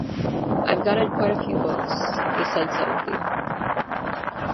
"I've gathered quite a few books," he said suddenly.